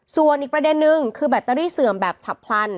ส่วนอีกประเด็นนึงคือแบตเตอรี่เสื่อมแบบฉับพลัน